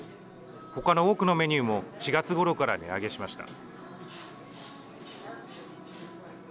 他の多くのメニューも４月ごろから値上げしました。